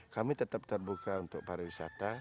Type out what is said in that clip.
kami tetap terbuka untuk pariwisata